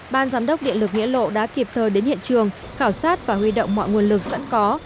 ban giám đốc điện lực nghĩa lộ đã kịp thời đến hiện trường khảo sát và huy động mọi nguồn lực sẵn có